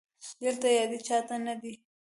دلته يادې چا ته نه دي